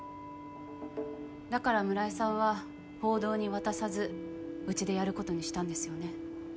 だから村井さんは報道に渡さずうちでやることにしたんですよね。